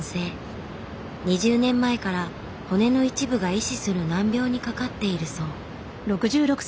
２０年前から骨の一部が壊死する難病にかかっているそう。